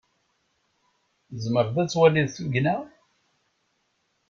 Tzemreḍ ad twaliḍ tugna?